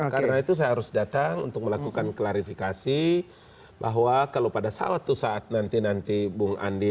karena itu saya harus datang untuk melakukan klarifikasi bahwa kalau pada suatu saat nanti nanti bung andi